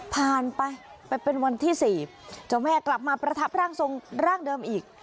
ผ่านไปไปเป็นวันที่๔เจ้าแม่กลับมาประทับร่างทรงร่างเดิมอีก